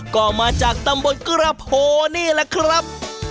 ก็มาจากตำบลกระโพนี่แหละครับ